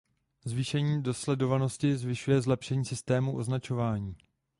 Zvýšení dosledovatelnosti vyžaduje zlepšení systému označování.